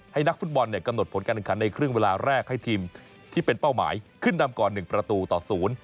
นักฟุตบอลเนี่ยกำหนดผลการแข่งขันในครึ่งเวลาแรกให้ทีมที่เป็นเป้าหมายขึ้นนำก่อน๑ประตูต่อศูนย์